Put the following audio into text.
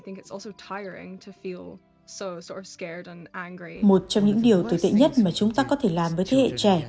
một trong những điều tồi tệ nhất mà chúng ta có thể làm với thế hệ trẻ